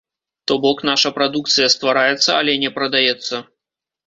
То бок, наша прадукцыя ствараецца, але не прадаецца.